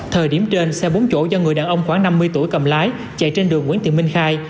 thời điểm trên xe bốn chỗ do người đàn ông khoảng năm mươi tuổi cầm lái chạy trên đường nguyễn thị minh khai